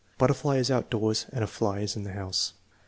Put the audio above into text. "Butterfly is outdoors and a fly is in the house."